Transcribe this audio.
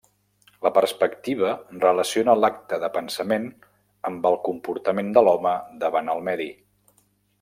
La perspectiva relaciona l’acte de pensament amb el comportament de l’home davant el medi.